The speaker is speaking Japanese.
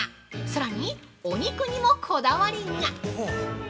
さらに、お肉にもこだわりが。